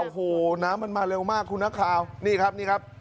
โอ้โหน้ำมันมาเร็วมากคุณนักข่าวนี่ครับนี่ครับ